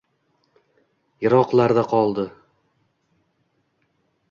Yiroklarda koldi